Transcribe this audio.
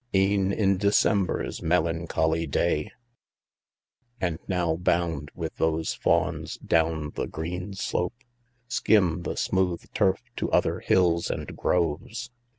E'en in December's melancholy day ! And now bound with those fawns down the green slope, Skim the smooth turf to other hills and groves.